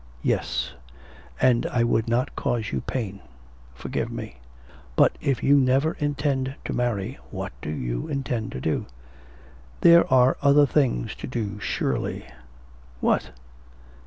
'Yes. And I would not cause you pain. Forgive me.' 'But if you never intend to marry, what do you intend to do?' 'There are other things to do surely.' 'What?'